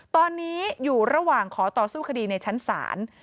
ตอนนี้อยู่ระหว่างขอต่อสู้คดีในชั้นศาล